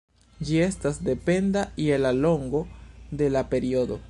Ĝi estas dependa je la longo de la periodo.